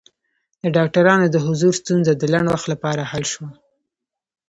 د ډاکټرانو د حضور ستونزه د لنډ وخت لپاره حل شوه.